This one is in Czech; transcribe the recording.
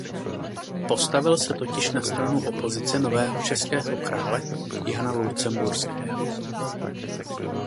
Postavil se totiž na stranu opozice nového českého krále Jana Lucemburského.